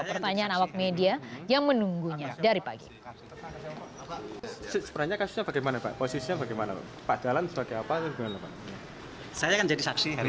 pertanyaan awak media yang menunggunya dari pagi